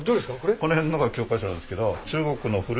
この辺のが教科書なんですけど。